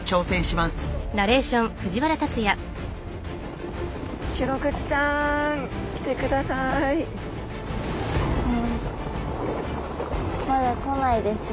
まだこないですね。